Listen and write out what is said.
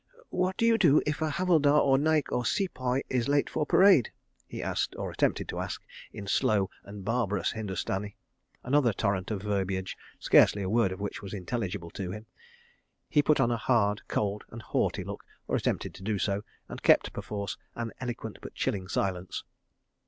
"What do you do if a Havildar or Naik or Sepoy is late for parade?" he asked, or attempted to ask, in slow and barbarous Hindustani. Another torrent of verbiage, scarcely a word of which was intelligible to him. He put on a hard, cold and haughty look, or attempted to do so, and kept, perforce, an eloquent but chilling silence.